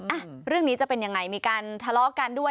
อ่ะเรื่องนี้จะเป็นยังไงมีการทะเลาะกันด้วย